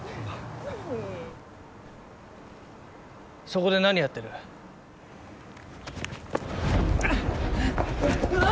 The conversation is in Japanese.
そこで何やってる？うわ！